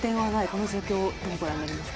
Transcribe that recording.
この状況、どうご覧になります？